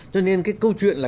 cho nên cái câu chuyện là